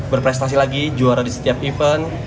berprestasi lagi juara di setiap event